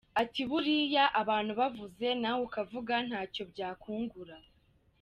Ati “ Buriya abantu bavuze nawe ukavuga ntacyo byakungura.